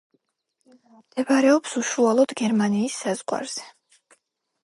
მდებარეობს უშუალოდ გერმანიის საზღვარზე.